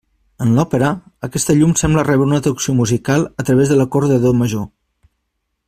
En l'òpera, aquesta llum sembla rebre una traducció musical a través de l'acord de do major.